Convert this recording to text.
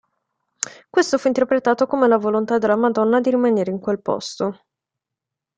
Questo fu interpretato come la volontà della Madonna di rimanere in quel posto.